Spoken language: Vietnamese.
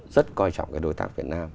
rất coi trọng cái đối tác việt nam